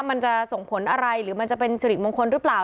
มันจะส่งผลอะไรหรือมันจะเป็นสิริมงคลหรือเปล่า